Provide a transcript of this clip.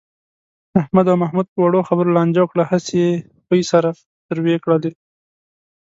احمد او محمود په وړو خبرو لانجه وکړه. هسې یې پۍ سره تروې کړلې.